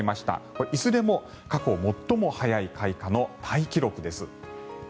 これはいずれも過去最も早い開花のタイ記録です。